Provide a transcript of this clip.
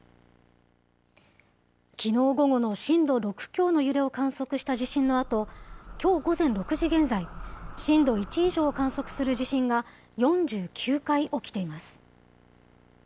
きのう午後の震度６強の揺れを観測した地震のあと、きょう午前６時現在、震度１以上を観測する地震が４９回起きています。